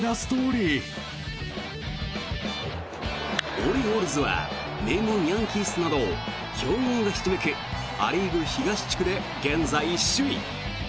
オリオールズは名門ヤンキースなど強豪がひしめくア・リーグ東地区で現在首位。